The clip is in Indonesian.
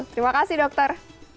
terima kasih dokter